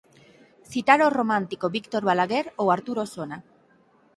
Citar ó romántico Víctor Balaguer ou Artur Osona.